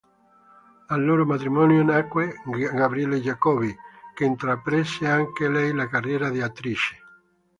Dal loro matrimonio nacque Gabriele Jacoby che intraprese anche lei la carriera di attrice.